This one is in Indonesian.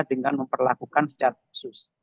dengan memperlakukan secara khusus